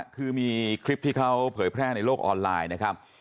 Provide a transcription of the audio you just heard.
คือมีคลิปที่เขาเผยแพร่ในโลกออนไลน์นะครับ